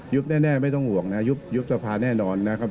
แน่ไม่ต้องห่วงนะยุบสภาแน่นอนนะครับ